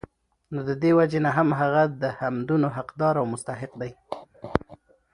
نو د دي وجي نه هم هغه د حمدونو حقدار او مستحق دی